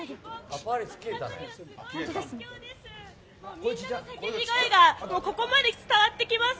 みんなの叫び声がここまで伝わってきます。